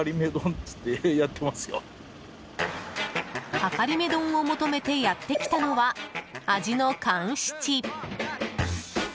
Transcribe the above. はかりめ丼を求めてやってきたのは、味のかん七。